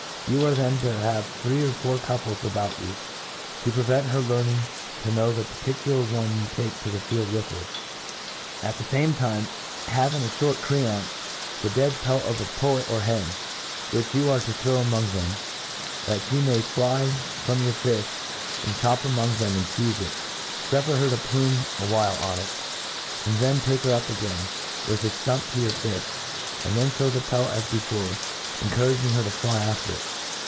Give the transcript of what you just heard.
You ar.c then to have three or .four couples about you, to prevent her learning to know the parti cular one you take to the field with her* At the fame time, have, in a fliort cregnce, the dead pelt of a pullet or hen, which you arc to throw among them^ that Ihe may fly from your fift, and chop among them and feize it. Suffer her to phime a while on it ; then take her up again, with a ftump, to your fift, and throw the pelt as bc ^ fore, encouragmgherto fly after it.